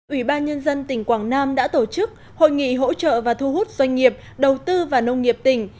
ủy ban nhân dân tỉnh quảng nam đã tổ chức hội nghị hỗ trợ và thu hút doanh nghiệp đầu tư và nông nghiệp tỉnh